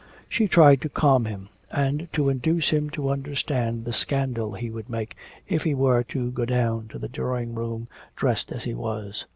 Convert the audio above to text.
She tried to calm him and to induce him to understand the scandal he would make if he were to go down to the drawing room, dressed as he was.